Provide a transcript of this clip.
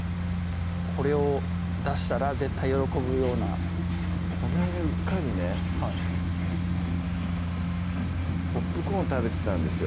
これを出したら絶対喜ぶようなこの間うっかりねポップコーン食べてたんですよ